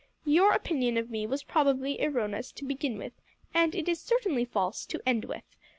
Your opinion of me was probably erroneous to begin with, and it is certainly false to end with.